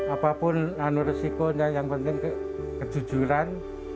apapun anu resikonya yang penting kejujuran